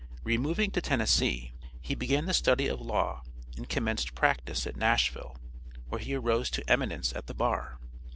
Removing to Tennessee he began the study of law and commenced practice at Nashville, where he arose to eminence at the bar.